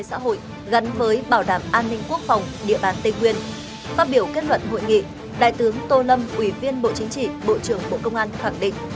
phát biểu kết luận hội nghị đại tướng tô lâm ủy viên bộ chính trị bộ trưởng bộ công an khẳng định